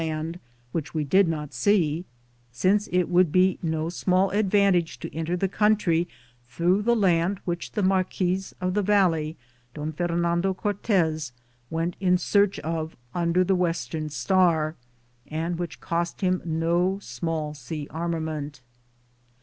land which we did not see, since it would be no small advantage to enter the country through the land which the Marquis of the Valley, Don Fernando Cortes, went in search of under the Western star, and which cost biT" no small sea armament.